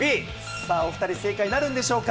さあ、お２人、正解なるんでしょうか。